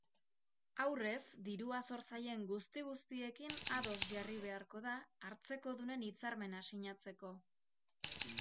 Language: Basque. Aurrez, dirua zor zaien guzti-guztiekin ados jarri beharko da hartzekodunen hitzarmena sinatzeko.